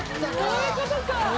こういうことか。